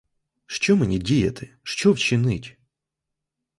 Що мені діяти, що вчинить?